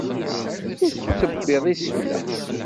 Ur tettebbiḍ isekla.